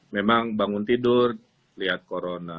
memang bangun tidur lihat corona